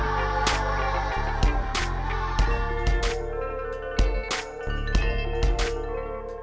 mereka harus berubah menjadi orang yang baik